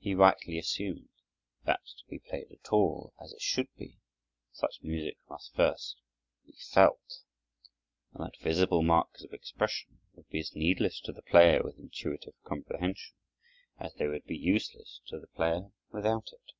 He rightly assumed that to be played at all as it should be, such music must first be felt, and that visible marks of expression would be as needless to the player with intuitive comprehension, as they would be useless to the player without it.